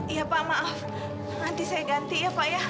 iya pak maaf nanti saya ganti ya pak ya